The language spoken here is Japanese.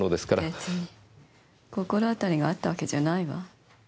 別に心当たりがあったわけじゃないわ。